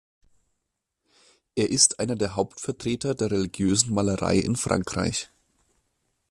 Er ist einer der Hauptvertreter der religiösen Malerei in Frankreich.